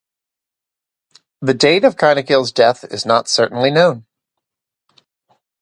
The date of Cynegils' death is not certainly known.